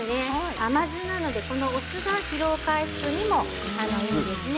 甘酢なのでこのお酢が疲労回復にもなるんですね。